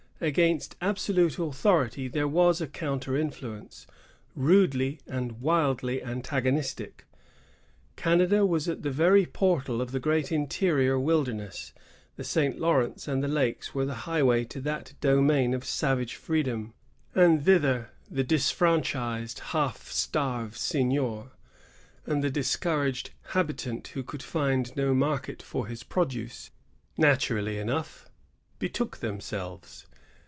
Against absolute authority there was a counter influence, rudely and wildly antagonistic. Canada was at the very portal of the great interior wilderness. The St. Lawrence and the Lakes were the highway to that domain of savage freedom; and thither the disfranchised, half starved seignior, and the discouraged haUtant who could find no market for his produce naturally enough betook themselves.